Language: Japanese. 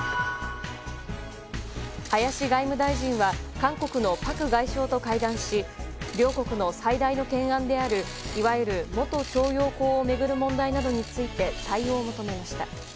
林外務大臣は韓国のパク外相と会談し両国の最大の懸案であるいわゆる元徴用工の問題などについて対応を求めました。